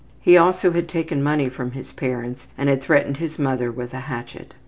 He also had taken money from his parents and had threatened his mother with a hatchet.